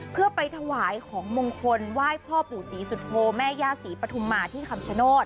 เพื่อไปถวายของมงคลไหว้พ่อปู่ศรีสุโธแม่ย่าศรีปฐุมมาที่คำชโนธ